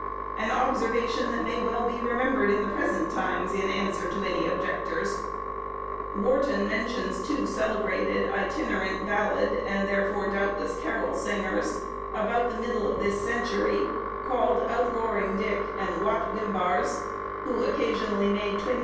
An observation that may well be remembered in the present times, in answer to any objectors. Warton mentions two celebrated itinerant ballad, and therefore doubtless carol, singers, about the middle of this century, called Outroaringe Dick and Wat Wimbars, who occasionally made 20_s.